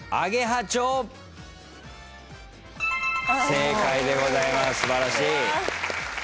正解でございます素晴らしい！